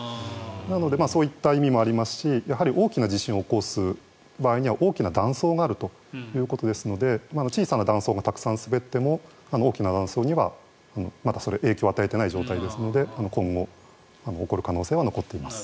なのでそういった意味もありますしやはり大きな地震を起こすということは大きな断層があるということですので小さな断層がたくさん滑っても大きな断層には影響を与えていない状況ですので今後、起こる可能性は残っています。